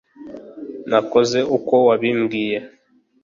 nakoze uko wabimbwiye